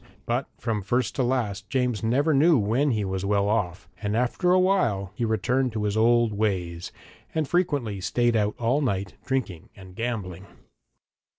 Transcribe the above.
But from first to last James never knew when he was well off, and after a while he returned to his old ways, and frequently stayed out all night, drinking and gambling.